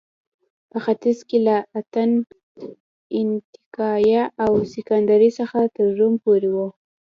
په ختیځ کې له اتن، انطاکیه او سکندریې څخه تر روم پورې و